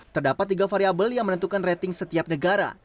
terdapat tiga variable yang menentukan rating setiap negara